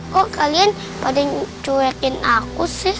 kok kalian pada cuyakin aku sih